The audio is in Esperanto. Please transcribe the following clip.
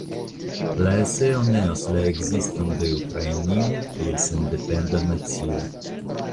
La eseo neas la ekziston de Ukrainio kiel sendependa nacio.